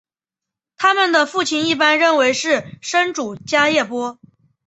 他们的父亲一般认为是生主迦叶波。